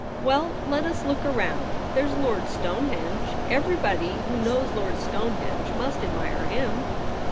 * Well, let us look around. There's Lord Stonehenge. Everybody who knows Lord Stonehenge must admire him.'